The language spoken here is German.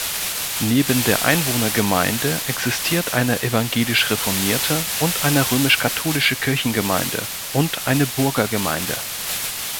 Neben der Einwohnergemeinde existiert eine evangelisch-reformierte und eine römisch-katholische Kirchgemeinde und eine Burgergemeinde.